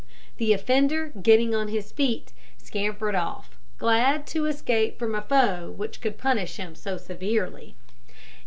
The offender, getting on his feet, scampered off, glad to escape from a foe who could punish him so severely.